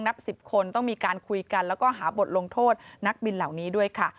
นับ๑๐คนต้องมีการคุยกันแล้วก็หาบทลงโทษนักบินเหล่านี้ด้วยค่ะ